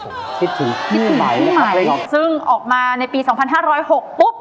คิดถึงพี่ใหม่คิดถึงพี่ใหม่ซึ่งออกมาในปีสองพันห้าร้อยหกปุ๊บ